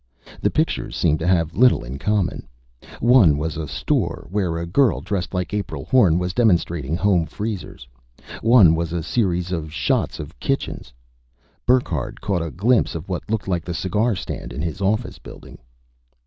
The pictures seemed to have little in common. One was a store, where a girl dressed like April Horn was demonstrating home freezers. One was a series of shots of kitchens. Burckhardt caught a glimpse of what looked like the cigar stand in his office building.